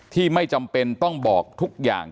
ไม่จำเป็นต้องบอกทุกอย่าง